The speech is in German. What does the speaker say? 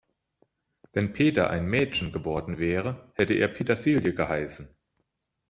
Wenn Peter ein Mädchen geworden wäre, hätte er Petersilie geheißen.